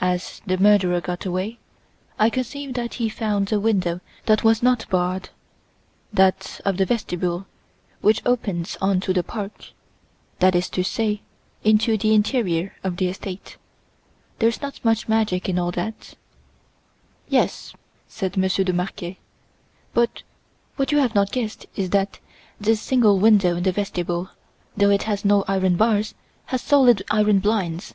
As the murderer got away, I conceive that he found a window that was not barred, that of the vestibule, which opens on to the park, that is to say, into the interior of the estate. There's not much magic in all that." "Yes," said Monsieur de Marquet, "but what you have not guessed is that this single window in the vestibule, though it has no iron bars, has solid iron blinds.